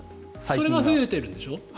それが増えてるんでしょ？